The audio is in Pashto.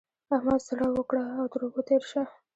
احمد زړه وکړه او تر اوبو تېر شه.